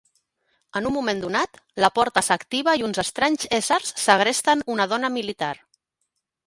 En un moment donat, la porta s'activa i uns estranys éssers segresten una dona militar.